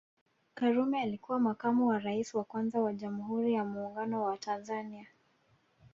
Karume alikuwa makamu wa rais wa kwanza wa Jamhuri ya Muungano wa Tanzania